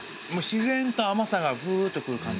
自然と甘さがフーっとくる感じ。